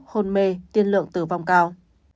hôn mê tiên lượng tử vong cao